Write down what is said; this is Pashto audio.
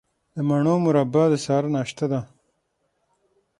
د مڼو مربا د سهار ناشته ده.